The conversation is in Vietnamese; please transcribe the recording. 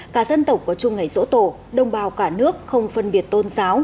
cả dân tộc có chung ngày sổ tổ đồng bào cả nước không phân biệt tôn giáo